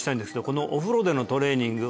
このお風呂でのトレーニング